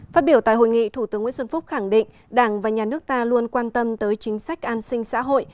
phát biểu tại hội nghị thủ tướng nguyễn xuân phúc khẳng định đảng và nhà nước ta luôn quan tâm tới chính sách an sinh xã hội